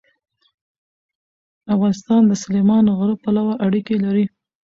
افغانستان د سلیمان غر پلوه اړیکې لري.